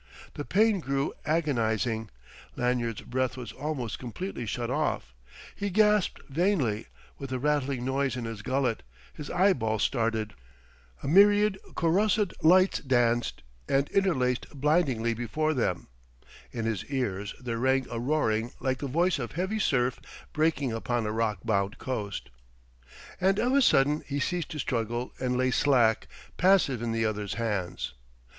The pain grew agonizing; Lanyard's breath was almost completely shut off; he gasped vainly, with a rattling noise in his gullet; his eyeballs started; a myriad coruscant lights danced and interlaced blindingly before them; in his ears there rang a roaring like the voice of heavy surf breaking upon a rock bound coast. And of a sudden he ceased to struggle and lay slack, passive in the other's hands.